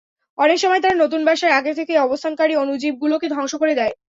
অনেক সময় তারা নতুন বাসায় আগে থেকে অবস্থানকারী অণুজীবগুলোকে ধ্বংস করে দেয়।